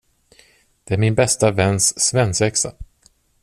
Det är min bästa väns svensexa.